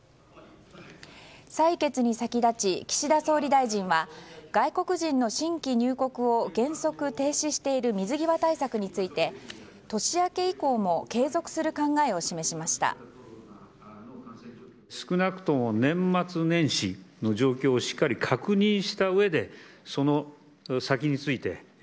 採決に先立ち、岸田総理大臣は外国人の新規入国を原則停止している水際対策について年明け以降も継続する考えを示しました。